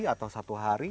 atau satu hari